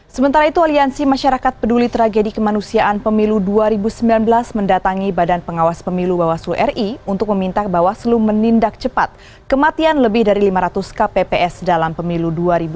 sementara itu aliansi masyarakat peduli tragedi kemanusiaan pemilu dua ribu sembilan belas mendatangi badan pengawas pemilu bawaslu ri untuk meminta bawaslu menindak cepat kematian lebih dari lima ratus kpps dalam pemilu dua ribu sembilan belas